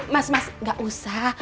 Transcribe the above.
mas mas gak usah